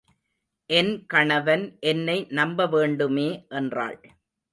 என் கணவன் என்னை நம்பவேண்டுமே என்றாள்.